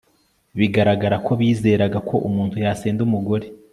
biragaragara ko bizeraga ko umuntu yasenda umugore